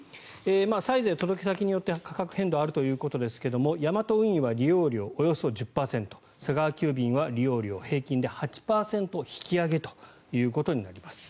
サイズや届け先によって価格変動があるということですがヤマト運輸は利用料およそ１０％佐川急便は利用料、平均で８％引き上げということになります。